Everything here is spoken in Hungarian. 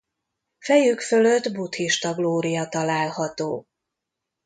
Fejük fölött buddhista glória található.